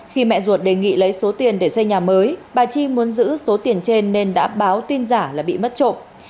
khi mẹ ruột đề nghị lấy số tiền để xây nhà mới bà chi muốn giữ số tiền trên nên đã báo tin giả là bị mất trộm